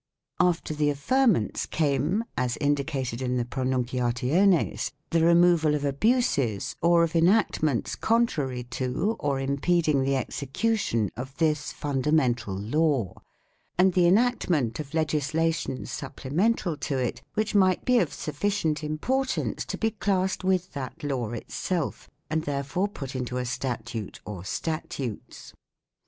After the affirmance, came, as indicated in the "pronunciationes," the removal of abuses, or of en actments contrary to or impeding the execution of this fundamental law, and the enactment of legis lation supplemental to it which might be of sufficient importance to be classed with that law itself and therefore put into a statute or statutes.